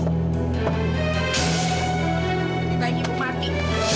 lebih baik ibu mati